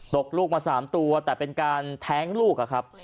ตกลูกมา๓ตัวแต่เป็นการแท้งลูกอะครับ